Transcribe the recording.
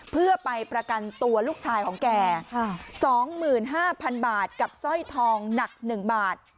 เพื่อไปประกันตัวลูกชายของแกสองหมื่นห้าพันบาทกับสร้อยทองหนักหนึ่งบาท